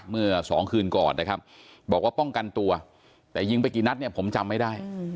เมื่อสองคืนก่อนนะครับบอกว่าป้องกันตัวแต่ยิงไปกี่นัดเนี่ยผมจำไม่ได้